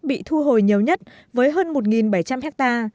bị thu hồi nhiều nhất với hơn một bảy trăm linh ha